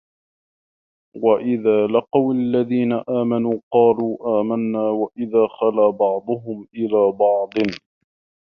وَإِذَا لَقُوا الَّذِينَ آمَنُوا قَالُوا آمَنَّا وَإِذَا خَلَا بَعْضُهُمْ إِلَىٰ بَعْضٍ